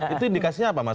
itu indikasinya apa mas